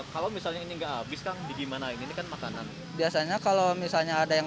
kalau misalnya ini enggak habis kang di gimana ini kan makanan biasanya kalau misalnya ada yang